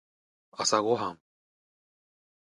朝ごはん